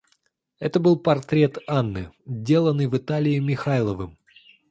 Это был портрет Анны, деланный в Италии Михайловым.